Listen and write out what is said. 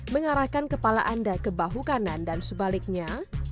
mengarahkan kepala anda ke bahu kanan dan sebaliknya